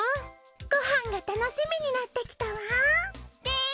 ごはんが楽しみになってきたわ。ねぇ。